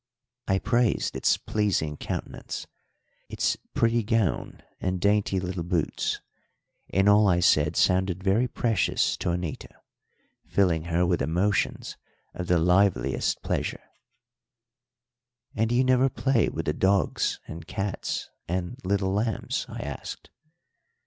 I praised its pleasing countenance, its pretty gown and dainty little boots; and all I said sounded very precious to Anita, filling her with emotions of the liveliest pleasure. "And do you never play with the dogs and cats and little lambs?" I asked.